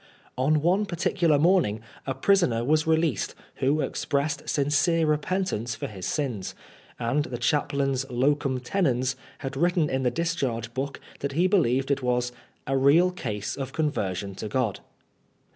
On one particular morning a prisoner was released, who expressed sincere repentance for his sins, And the chaplain's locum tenefis had written in the dis charge book that he believed it was " a real case of con version to God."